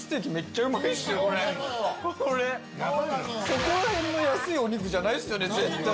そこら辺の安いお肉じゃないですよね、絶対。